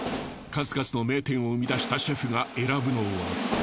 数々の名店を生み出したシェフが選ぶのは。